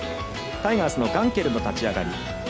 タイガースのガンケルの立ち上がり。